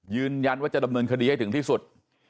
ยืนยันว่าจะดำเนินคดีให้ถึงที่สุด